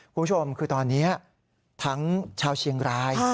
คุณผู้ชมคือตอนนี้ทั้งชาวเชียงราย